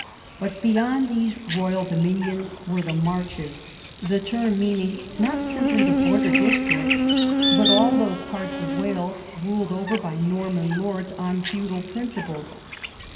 But beyond these royal dominions were the Marches, the term meaning not simpl}'^ the border districts but all those parts of Wales ruled over by Norman lords on feudal principles.